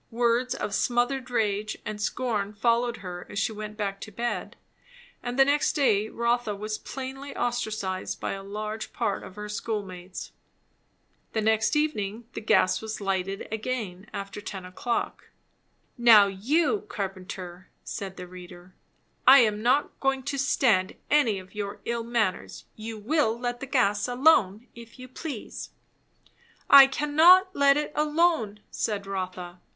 Words of smothered rage and scorn followed her as she went back to bed; and the next day Rotha was plainly ostracised by a large part of her school mates. The next evening the gas was lighted again after ten o'clock. "Now you Carpenter," said the reader, "I am not going to stand any of your ill manners. You will let the gas alone, if you please." "I cannot let it alone," said Rotha.